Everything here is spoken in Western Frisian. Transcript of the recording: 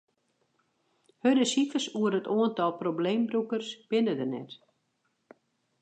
Hurde sifers oer it oantal probleembrûkers binne der net.